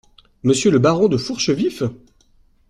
Monsieur le baron de Fourchevif ?